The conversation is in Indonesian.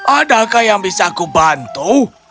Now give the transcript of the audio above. adakah yang bisa kubantu